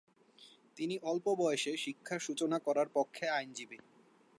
তিনি অল্প বয়সেই শিক্ষার সূচনা করার পক্ষে আইনজীবী।